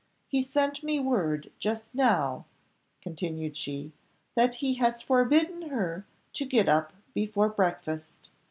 He sent me word just now," continued she, "that he has forbidden her to get up before breakfast.